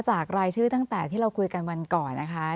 รายชื่อตั้งแต่ที่เราคุยกันวันก่อนนะคะ